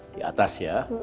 di atas ya